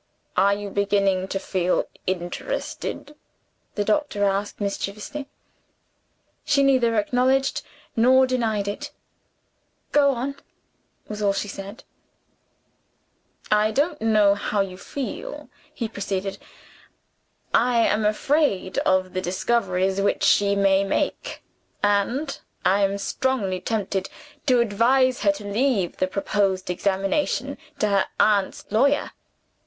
"Are you beginning to feel interested?" the doctor asked mischievously. She neither acknowledged nor denied it. "Go on" was all she said. "I don't know how you feel," he proceeded; "I am afraid of the discoveries which she may make; and I am strongly tempted to advise her to leave the proposed examination to her aunt's lawyer.